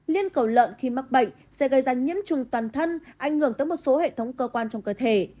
liên cầu lợn khi mắc bệnh sẽ gây ra nhiễm trùng toàn thân ảnh hưởng tới một số hệ thống cơ quan trong cơ thể